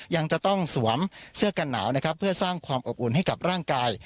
อย่างจะต้องการสวมเซื้อกันหนาวเพื่อสร้างความอบอุ่นให้กับร่างกาย